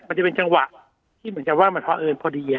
มันจะเป็นจังหวะที่มันจะว่ามันพอเอิญพอดีเนี่ย